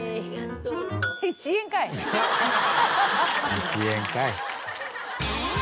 １円かい。